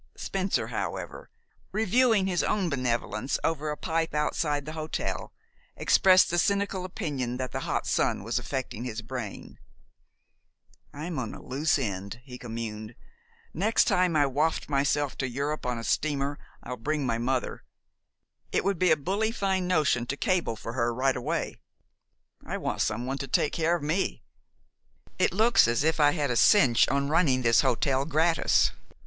Spencer, however, reviewing his own benevolence over a pipe outside the hotel, expressed the cynical opinion that the hot sun was affecting his brain. "I'm on a loose end," he communed. "Next time I waft myself to Europe on a steamer I'll bring my mother. It would be a bully fine notion to cable for her right away. I want someone to take care of me. It looks as if I had a cinch on running this hotel gratis.